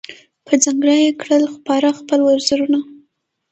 پر ځنګله یې کړل خپاره خپل وزرونه